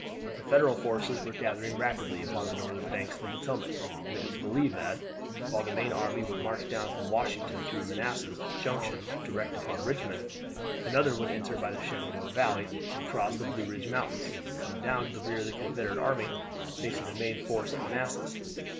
The Federal forces were gathering rapidly upon the northern banks of the Potomac, and it was believed that, while the main army would march down from Washington through Manassas Junction direct upon Richmond, another would enter by the Shenandoah Valley, and, crossing the Blue Ridge Mountains, come down on the rear of the Confederate army, facing the main force at Manassas.